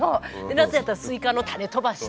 夏やったらスイカの種飛ばして。